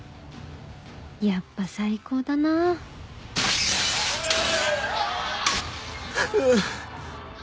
やっぱ最高だなうっ。